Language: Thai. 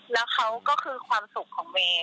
แล้วเขาก็คือความสุขของเมย์